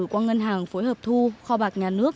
qua ngân hàng phối hợp thu kho bạc nhà nước